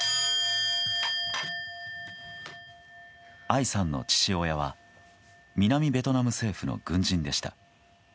アイさんの父親は南ベトナム政府の軍人でした。